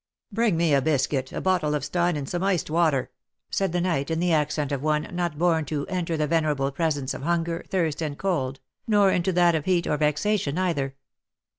" Bring me a biscuit, a bottle of Stein, and some iced watex, " said the knight in the accent of one not born to "enter the venerable presence of hunger, thirst, and cold," nor into that of heat or vexation either.